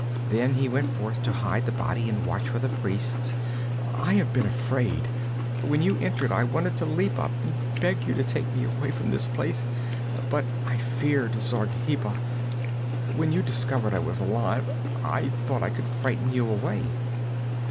Then he went forth to hide the body and watch for the priests. I have been afraid. When you entered I wanted to leap up and beg you to take me away from this place, but I feared Zargheba. When you discovered I was alive, I thought I could frighten you away.'